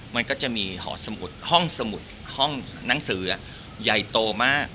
มันก็จะมีหอสมุดห้องสมุดห้องหนังสือใหญ่โตมาก